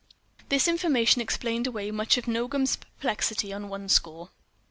This information explained away much of Nogam's perplexity on one score.